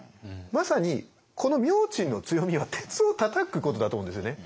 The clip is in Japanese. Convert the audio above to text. まさにこの明珍の強みは鉄をたたくことだと思うんですよね。